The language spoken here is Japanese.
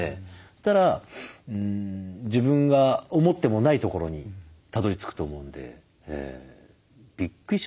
そしたら自分が思ってもないところにたどり着くと思うんで。